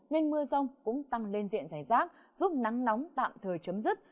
nên mưa rông cũng tăng lên diện giải rác giúp nắng nóng tạm thời chấm dứt